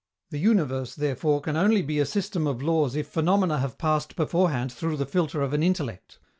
The universe, therefore, can only be a system of laws if phenomena have passed beforehand through the filter of an intellect.